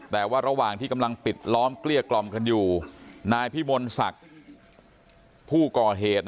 แต่ว่าระหว่างที่กำลังปิดล้อมเกลี้ยกล่อมกันอยู่นายพิมลศักดิ์ผู้ก่อเหตุ